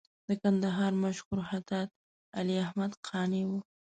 د کندهار مشهور خطاط علي احمد قانع و.